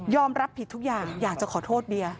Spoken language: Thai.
รับผิดทุกอย่างอยากจะขอโทษเบียร์